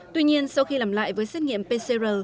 tuy nhiên sau khi làm lại với xét nghiệm pcr